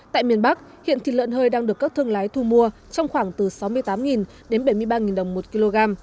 tại miền bắc hiện thịt lợn hơi đang được các thương lái thu mua trong khoảng từ sáu mươi tám đến bảy mươi ba đồng một kg